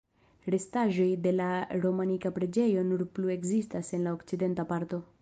Restaĵoj de la romanika preĝejo nur plu ekzistas en la okcidenta parto.